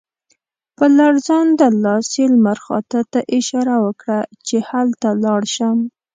په لړزانده لاس یې لمر خاته ته اشاره وکړه چې هلته لاړ شم.